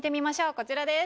こちらです。